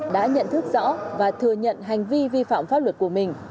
đã nhận thức rõ và thừa nhận hành vi vi phạm pháp luật của mình